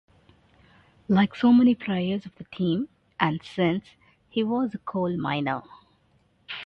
Like so many players of the time and since, he was a coal miner.